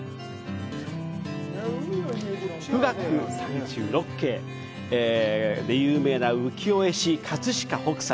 「富嶽三十六景」で有名な浮世絵師、葛飾北斎。